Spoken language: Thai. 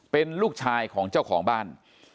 เป็นลูกชายของเจ้าของบ้าน